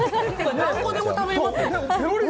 何個でも食べられますよ。